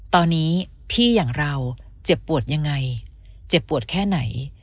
ตอนนี้พี่อย่างเราเจ็บปวดยังไงเจ็บปวดแค่ไหน